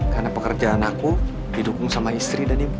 karena pekerjaan aku didukung sama istri dan ibu